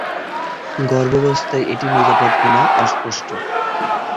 গর্ভাবস্থায় এটি নিরাপদ কিনা তা অস্পষ্ট।